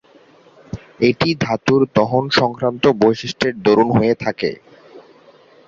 এটি ধাতুর দহন সংক্রান্ত বৈশিষ্ট্যের দরুন হয়ে থাকে।